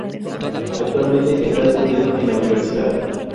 Actualmente está estudiando en la universidad.